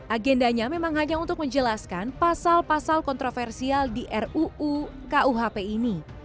agendanya memang hanya untuk menjelaskan pasal pasal kontroversial di ruu kuhp ini